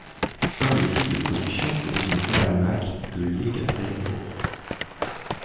Un des sites de production est l'usine Ouralmach de Iekaterinbourg.